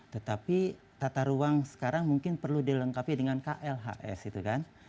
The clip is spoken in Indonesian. tetapi tata ruang sekarang mungkin perlu dilengkapi dengan klhs itu kan